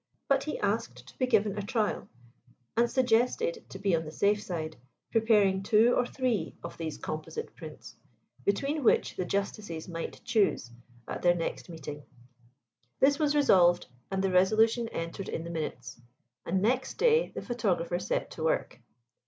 But he asked to be given a trial, and suggested (to be on the safe side) preparing two or three of these composite prints, between which the Justices might choose at their next meeting. This was resolved, and the resolution entered in the minutes; and next day the photographer set to work.